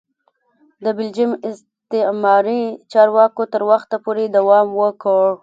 د بلجیم استعماري چارواکو تر وخته دوام وکړ.